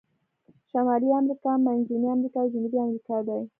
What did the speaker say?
شمالي امریکا، منځنۍ امریکا او جنوبي امریکا دي.